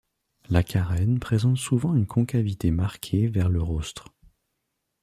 La carène présente souvent une concavité marquée vers le rostre.